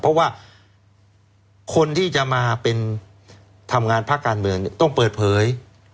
เพราะว่าคนที่จะมาเป็นทำงานภาคการเมืองต้องเปิดเผย